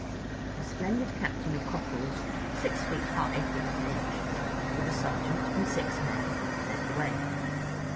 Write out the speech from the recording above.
A splendid captain of Cockles, six feet high if he was an inch, with a sergeant and six men, led the way.